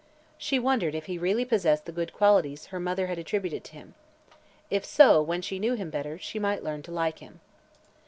She wondered if he really possessed the good qualities her mother had attributed to him. If so, when she knew him better, she might learn to like him.